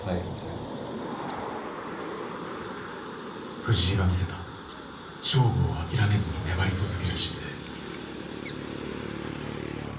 藤井が見せた勝負を諦めずに粘り続ける姿勢。